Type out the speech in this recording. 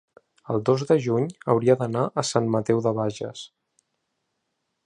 el dos de juny hauria d'anar a Sant Mateu de Bages.